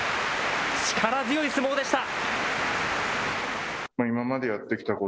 力強い相撲でした。